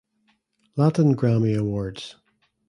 Latin Grammy Awards